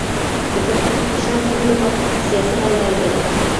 ډیپلوماټیک فشار ځینې وخت سیاسي حل لارې پیدا کوي.